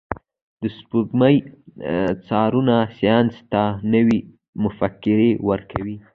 د سپوږمۍ څارنه ساینس ته نوي مفکورې ورکوي.